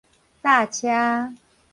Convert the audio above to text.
搭車